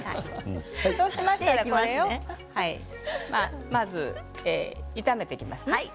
そうしましたらこれをまず炒めていきます。